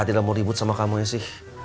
a'a tidak mau ribut sama kamu esi